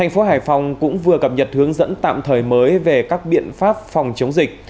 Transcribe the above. tp hcm cũng vừa cập nhật hướng dẫn tạm thời mới về các biện pháp phòng chống dịch